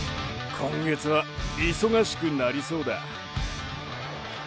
今月は忙しくなりそうだ。